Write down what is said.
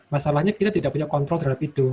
masalahnya kita tidak punya kontrol terhadap itu